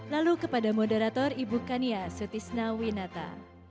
lalu kepada moderator ibu kania sutisna winata